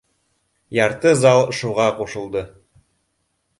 Ярты зал шуға ҡушылды